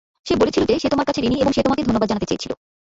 সে বলেছিলো যে সে তোমার কাছে ঋণী, এবং সে তোমাকে ধন্যবাদ জানাতে চেয়েছিলো।